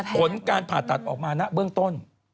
ผลการผ่าตัดออกมานะเบื้องต้น